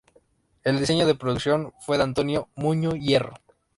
El diseño de producción fue de Antonio Muño-Hierro.